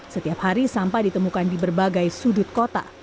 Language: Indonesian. setiap hari sampah ditemukan di berbagai sudut kota